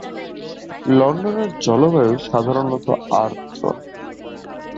লন্ডনের জলবায়ু সাধারণত আর্দ্র।